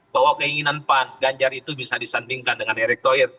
bahwa keinginan pan ganjar itu bisa disandingkan dengan erick thohir